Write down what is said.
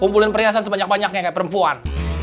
kumpulin perhiasan sebanyak banyaknya kayak perempuan